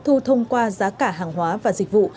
thu thông qua giá cả hàng hóa và dịch vụ